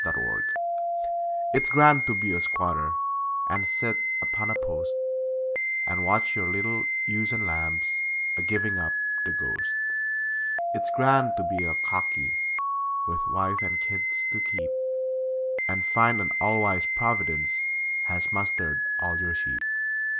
It's Grand It's grand to be a squatter And sit upon a post, And watch your little ewes and lambs A giving up the ghost. It's grand to be a 'cockie' With wife and kids to keep, And find an all wise Providence Has mustered all your sheep.